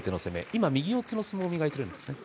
今、右四つの攻めを磨いているんですね。